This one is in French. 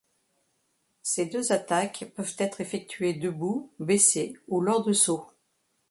Ces deux attaques peuvent être effectuées debout, baissé ou lors de sauts.